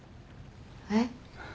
えっ？